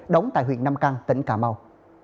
đóng tại huyện nam căng tỉnh cà mau